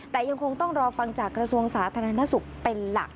แต่ยังคงต้องรอฟังจากกระทรวงสาธารณสุขเป็นหลัก